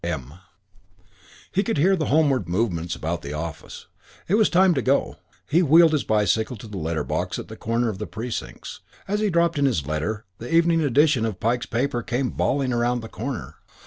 M." He could hear the homeward movements about the office. It was time to go. He wheeled his bicycle to the letter box at the corner of The Precincts. As he dropped in his letter, the evening edition of Pike's paper came bawling around the corner.